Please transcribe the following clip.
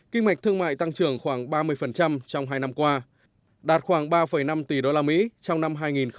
kinh mạch thương mại tăng trưởng khoảng ba mươi trong hai năm qua đạt khoảng ba năm tỷ usd trong năm hai nghìn một mươi chín